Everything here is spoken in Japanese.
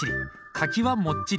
柿はもっちり。